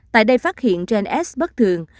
tại đây phát hiện gns bất thường